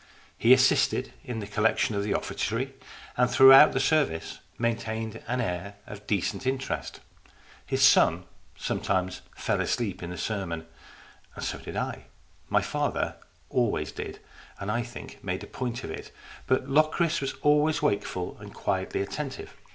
He assisted in the collection of the offertory, and throughout the service maintained an air of decent interest. His son sometimes fell asleep in the sermon, and so did I. My father always did, and, I think, made a point of it, but Locris was always wakeful and quietly attentive.